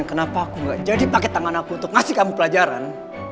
dan kenapa aku gak jadi pakai tangan aku untuk ngasih kamu pelajaran